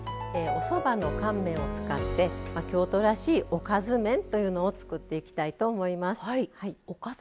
おそばの乾麺を使って京都らしいおかず麺というのを作っていきたいと思います。